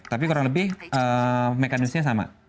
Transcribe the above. tapi kurang lebih mekanismenya sama